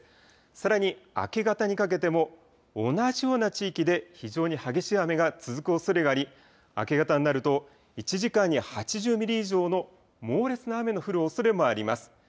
さらに明け方にかけても同じような地域で非常に激しい雨が続くおそれがあり明け方になると１時間に８０ミリ以上の猛烈な雨の降るおそれもあります。